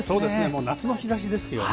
もう夏の日差しですよね。